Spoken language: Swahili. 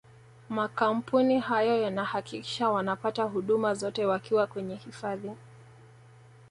makampuni hayo yanahakikisha wanapata huduma zote wakiwa kwenye hifadhi